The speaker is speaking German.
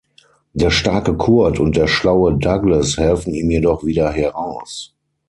Der starke Kurt und der schlaue Douglas helfen ihm jedoch wieder heraus.